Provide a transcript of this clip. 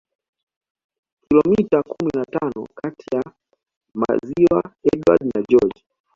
Kilomita kumi na tano kati ya maziwa Edward na George